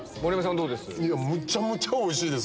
どうです？